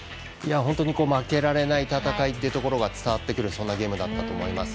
本当に負けられない戦いというところが伝わってくるゲームだったと思います。